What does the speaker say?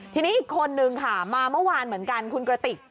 ทีนี้อีกคนนึงค่ะมาเมื่อวานเหมือนกันคุณกระติก